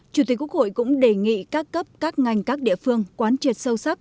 chủ tịch quốc hội cũng đề nghị các cấp các ngành các địa phương quán triệt sâu sắc